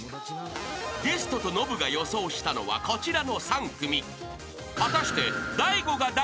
［ゲストとノブが予想したのはこちらの３組］